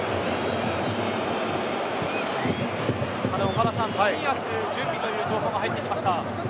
岡田さん、冨安準備という情報が入ってきました。